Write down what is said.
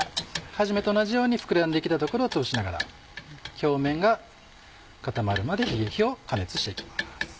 初めと同じように膨らんできた所をつぶしながら表面が固まるまで加熱していきます。